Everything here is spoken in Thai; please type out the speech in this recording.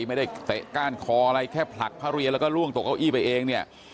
เตะก้านคออะไรแค่ผลักพระเรียนแล้วก็ล่วงตกเก้าอี้ไปเองเนี่ย